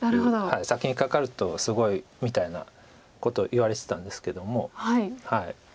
先にカカるとすごいみたいなことを言われてたんですけども。